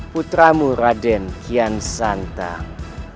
putramu raden kian santang